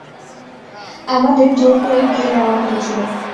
আমাদের জোর করে বিয়ে দেয়া হয়েছিল।